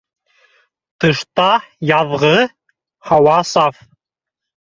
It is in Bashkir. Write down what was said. Тышта яҙғы һауа саф